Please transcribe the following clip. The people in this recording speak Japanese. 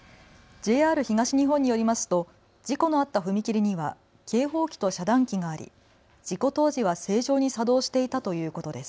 ＪＲ東日本によりますと事故のあった踏切には警報機と遮断機があり、事故当時は正常に作動していたということです。